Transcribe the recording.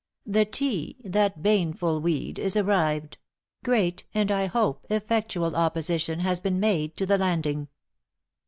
The tea, that baneful weed, is arrived: great, and I hope effectual opposition, has been made to the landing."